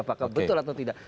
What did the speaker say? apakah betul atau tidak